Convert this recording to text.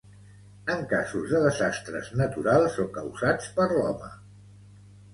En casos de desastres naturals o causats per l'home.